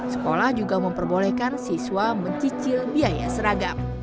sekolah juga memperbolehkan siswa mencicil biaya seragam